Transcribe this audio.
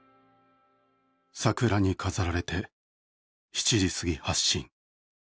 桜に飾られて７時すぎ、発進。